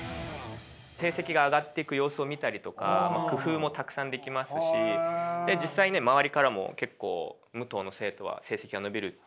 成績が上がっていく様子を見たりとか工夫もたくさんできますし実際ね周りからも結構武藤の生徒は成績が伸びるって。